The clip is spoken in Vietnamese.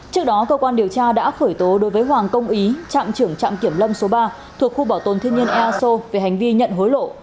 trước đó cơ quan điều tra đã khởi tố đối với hoàng công ý trạm trưởng trạm kiểm lâm số ba thuộc khu bảo tồn thiên nhiên eso về hành vi nhận hối lộ